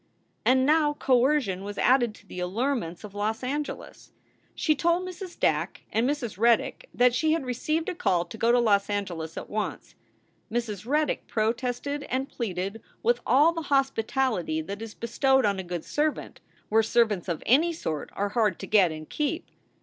And now coercion was added to the allurements of Los Angeles. She told Mrs. Dack and Mrs. Reddick that she had received a call to go to Los Angeles at once. Mrs. Reddick protested and pleaded with all the hospi tality that is bestowed on a good servant where servants of any sort are hard to get and keep.